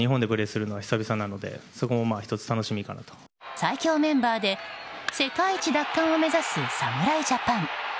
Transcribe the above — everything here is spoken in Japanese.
最強メンバーで世界一奪還を目指す侍ジャパン。